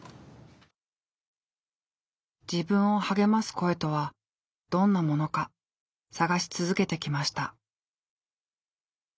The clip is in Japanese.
自分を励ます声とはどんなものか探し続けてきました。